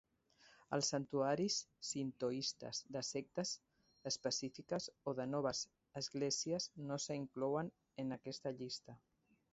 Els santuaris sintoistes de sectes específiques o de noves esglésies no s'inclouen en aquesta llista.